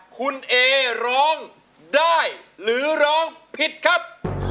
คุณเอร้องได้หรือร้องผิดครับ